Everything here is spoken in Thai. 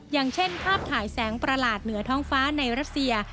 อย่างเช่นภาพถ่ายแสงประหลาดเหนือท้องฟ้าในรัสเซีย